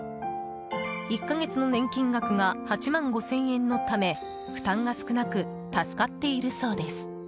１か月の年金額が８万５０００円のため負担が少なく助かっているそうです。